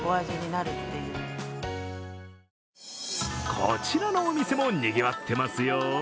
こちらのお店もにぎわってますよ。